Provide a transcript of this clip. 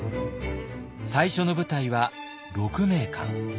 最初の舞台は鹿鳴館。